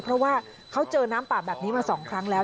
เพราะว่าเขาเจอน้ำป่าแบบนี้มา๒ครั้งแล้ว